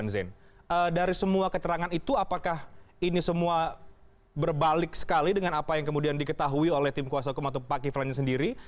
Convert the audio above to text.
pak zain dari semua keterangan itu apakah ini semua berbalik sekali dengan apa yang kemudian diketahui oleh tim kuasa hukum atau pak kiflan ini sendiri